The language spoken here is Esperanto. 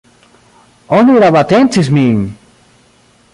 Oni rabatencis min!